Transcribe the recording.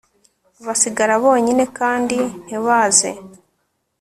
basigara bonyine kandi ntibaze